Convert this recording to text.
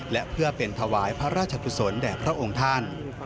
และเพื่อเป็นถวายพระราชกุศลแด่พระองค์ท่าน